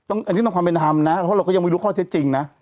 อันนี้ต้องความเป็นธรรมนะเพราะเราก็ยังไม่รู้ข้อเท็จจริงนะ